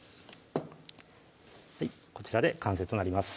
こちらで完成となります